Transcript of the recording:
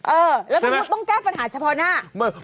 เออแล้วถ้าคุณต้องแก้ปัญหาเฉพาะหน้า